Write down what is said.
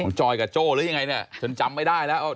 ของจอยกับโจ้หรือยังไงจนจำไม่ได้แล้ว